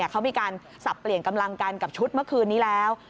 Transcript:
เขามีการสับเปลี่ยนกำลังกันกับชุดเมื่อคืนนี้แล้ว